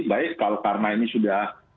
baik karena ini sudah